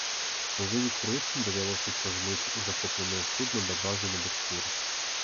У выніку рускім давялося цягнуць захопленае судна да базы на буксіры.